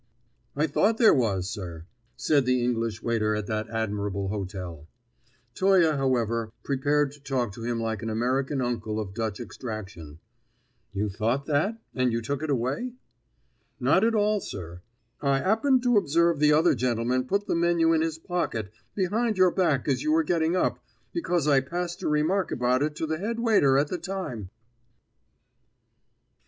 "I thought there was, sir," said the English waiter at that admirable hotel. Toye, however, prepared to talk to him like an American uncle of Dutch extraction. "You thought that, and you took it away?" "Not at all, sir. I 'appened to observe the other gentleman put the menu in his pocket, behind your back as you were getting up, because I passed a remark about it to the head waiter at the time!"